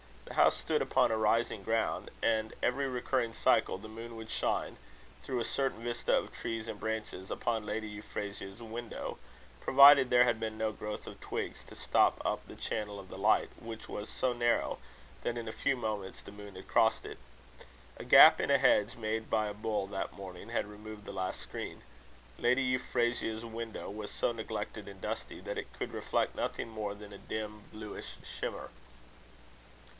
The house stood upon a rising ground; and, every recurring cycle, the moon would shine, through a certain vista of trees and branches, upon Lady Euphrasia's window; provided there had been no growth of twigs to stop up the channel of the light, which was so narrow that in a few moments the moon had crossed it. A gap in a hedge made by a bull that morning, had removed the last screen. Lady Euphrasia's window was so neglected and dusty, that it could reflect nothing more than a dim bluish shimmer.